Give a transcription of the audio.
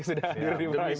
sudah hadir di brasis